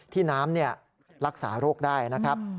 ที่น้ำรักษาโรคได้นะครับ